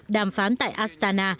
đàm phán tại astana